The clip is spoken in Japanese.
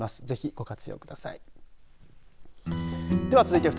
ぜひ、ご活用ください。